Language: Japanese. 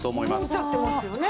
通っちゃってますよね。